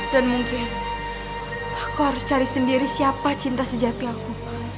dan mungkin aku harus cari sendiri siapa cinta sejati aku